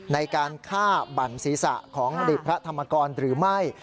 ในการฆ่าบั่นศีรษะของอดีตพระธรรมกรหรือไม่